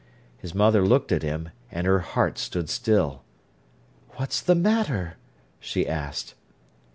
His mother looked at him, and her heart stood still. "What's the matter?" she asked.